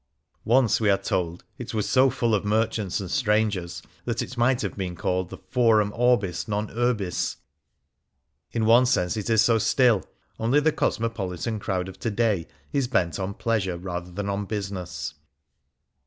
Once, we are told, it was so full of merchants and strangers that it might have been called the "Forum Orbis, non Urbis." In one sense it is so still ; only the cosmopolitan crowd of to day is bent on pleasure rather than on busi ness.